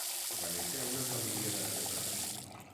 Va néixer a una família d'artesans.